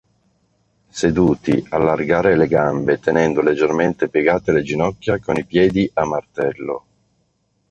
Seduti, allargare le gambe tenendo leggermente piegate le ginocchia, con i piedi a martello.